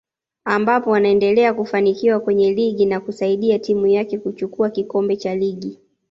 ambapo anaendelea kufanikiwa kwenye ligi na kusaidia timu yake kuchukua kikombe cha ligi